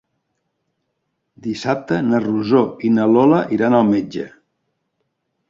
Dissabte na Rosó i na Lola iran al metge.